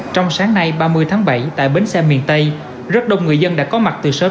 trong sáng nay ba mươi tháng bảy tại bến xe miền tây rất đông người dân đã có mặt từ sớm